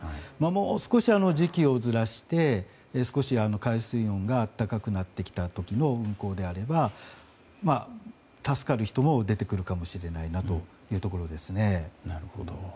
もう少し時期をずらして少し海水温が暖かくなった時の運航であれば助かる人も出てくるかもしれないなというところです。